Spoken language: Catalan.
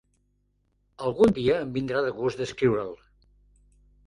Algun dia em vindrà de gust descriure'l.